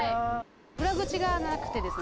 「裏口がなくてですね